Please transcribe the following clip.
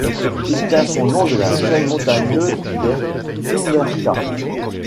Il tient son nom de la chaîne montagneuse des Tzoumerka.